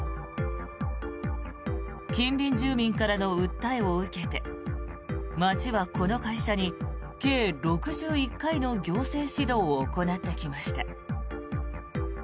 近隣住民からの訴えを受けて町はこの会社に計６１回の行政指導を行ってきました。